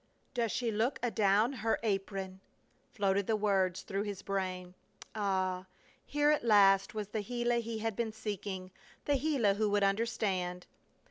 "Does she look adown her apron!" floated the words through his brain. Ah! Here at last was the Gila he had been seeking! The Gila who would understand!